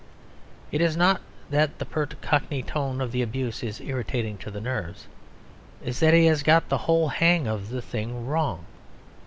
It is not that the pert cockney tone of the abuse is irritating to the nerves: it is that he has got the whole hang of the thing wrong.